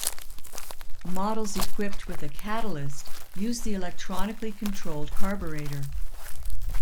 Models equipped with a catalyst use the electronically controlled carburetor.